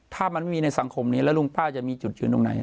ถ้ามันไม่มีในสังคมนี้แล้วลุงป้าจะมีจุดยืนตรงไหน